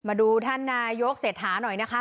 มาดูท่านนายกเศรษฐาหน่อยนะคะ